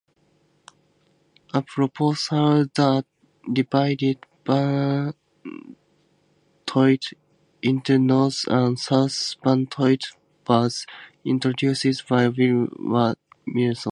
A proposal that divided Bantoid into North and South Bantoid was introduced by Williamson.